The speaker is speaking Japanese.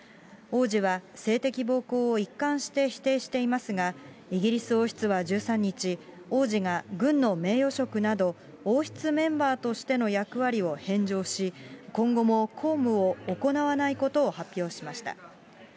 王子は性的暴行を一貫して否定していますが、イギリス王室は１３日、王子が軍の名誉職など、王室メンバーとしての役割を返上し、今後も公務を行わないことを発表しました。